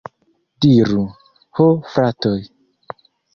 Diru, ho fratoj!